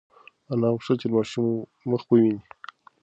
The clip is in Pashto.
انا غوښتل چې د ماشوم مخ وویني.